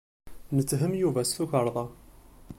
Netthem Yuba s tukerḍa.